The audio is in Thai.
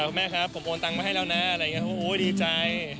แม่ครับผมโอนตังมาให้แล้วนะอะไรอย่างนี้ดีใจ